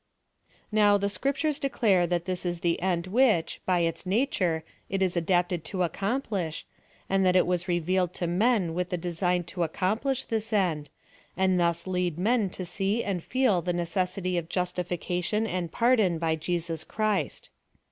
Now, the scriptures declare that this is the end which, by its aature, it is adapted to accomplish, and that it was revealed to men with the design to accomplish this end, and thus lead men to see and feel the necessity of justification and pardon by Jesus Ciirist.